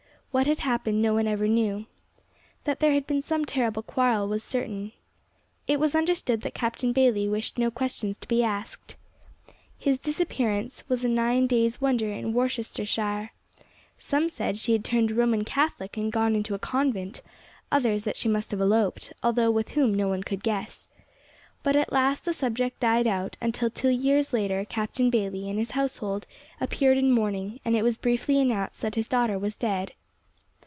What had happened no one ever knew. That there had been some terrible quarrel was certain. It was understood that Captain Bayley wished no questions to be asked. Her disappearance was a nine days' wonder in Worcestershire. Some said she had turned Roman Catholic and gone into a convent; others that she must have eloped, although with whom no one could guess. But at last the subject died out, until two years later Captain Bayley and his household appeared in mourning, and it was briefly announced that his daughter was dead.